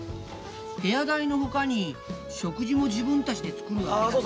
部屋代のほかに食事も自分たちで作るわけだから。